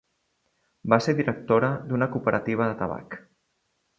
Va ser directora d'una cooperativa de tabac.